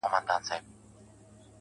راته ستا حال راكوي.